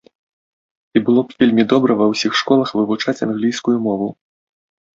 І было б вельмі добра ва ўсіх школах вывучаць англійскую мову.